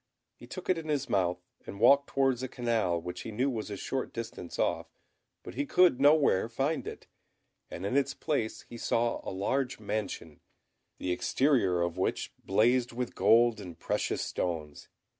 He took it in his mouth, and walked towards a canal which he knew was a short distance off; but he could nowhere find it, and in its place he saw a large mansion, the exterior of which blazed with gold and precious stones.